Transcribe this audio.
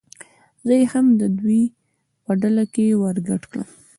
زه یې هم د دوی په ډله ور ګډ کړم.